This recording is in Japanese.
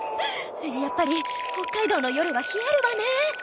やっぱり北海道の夜は冷えるわねえ。